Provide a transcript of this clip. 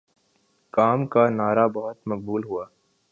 کام کا نعرہ بہت مقبول ہوا